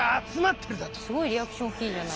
すごいリアクション大きいじゃない。